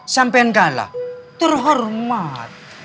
sampean galak terhormat